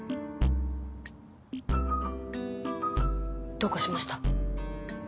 どうかしました？